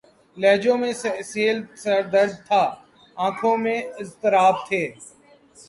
لہجوں میں سیلِ درد تھا‘ آنکھوں میں اضطراب تھے